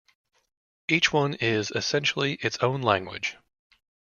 Each one is, essentially, its own language.